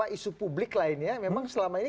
isu publik lainnya memang selama ini